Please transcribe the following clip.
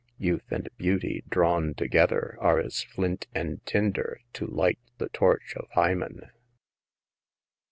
Youth and beauty drawn together are as flimt and tinder to light the torch of Hymen.